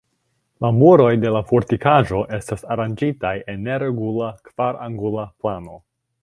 La muroj de la fortikaĵo estas aranĝitaj en neregula kvarangula plano.